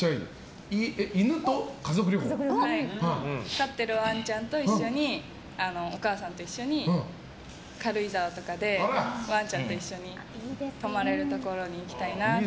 飼っているワンちゃんと一緒にお母さんと一緒に軽井沢とかでワンちゃんと一緒に泊まれるところに行きたいなと。